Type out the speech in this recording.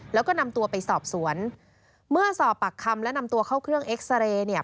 แล้วก็นำตัวไปสอบสวนเมื่อสอบปากคำและนำตัวเข้าเครื่องเอ็กซาเรย์เนี่ย